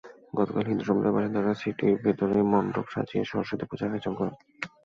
গতকাল হিন্দু সম্প্রদায়ের বাসিন্দারা সিটির ভেতরেই মণ্ডপ সাজিয়ে সরস্বতী পূজার আয়োজন করেন।